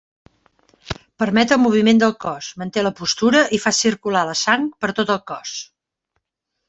Permet el moviment del cos, manté la postura i fa circular la sang per tot el cos.